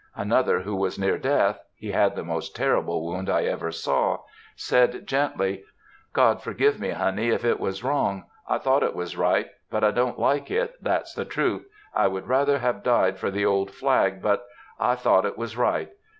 Another, who was near death,—he had the most terrible wound I ever saw,—said, gently: "God forgive me, honey, if it was wrong. I thought it was right, but I don't like it, that's the truth. I would rather have died for the old flag, but—I thought it was right.